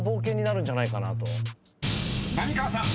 ［浪川さん］